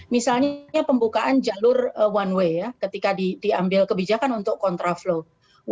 misalnya pembukaan jalur one way ya ketika diambil kebijakan untuk kontraflow